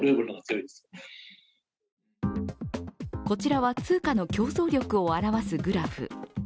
こちらは通貨の競争力を表すグラフ。